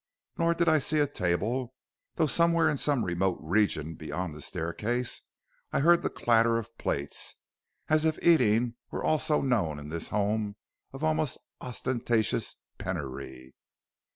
Nor did I see a table, though somewhere in some remote region beyond the staircase I heard the clatter of plates, as if eating were also known in this home of almost ostentatious penury.